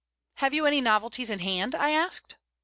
"Have you any novelties in hand?" I asked.